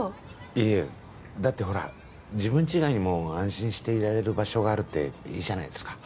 いいえだってほら自分ち以外にも安心していられる場所があるっていいじゃないですか